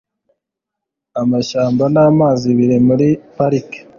amashyamba namazi biri muri parike